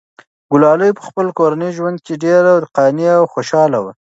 ګلالۍ په خپل کورني ژوند کې ډېره قانع او خوشحاله وه.